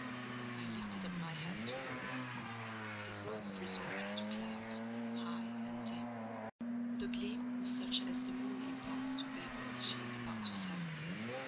I lifted up my head to look: the roof resolved to clouds, high and dim; the gleam was such as the moon imparts to vapours she is about to sever.